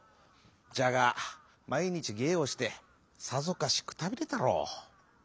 じゃがまいにちげいをしてさぞかしくたびれたろう。